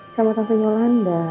sama tante yolanda